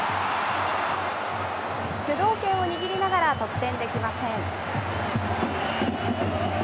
主導権を握りながら得点できません。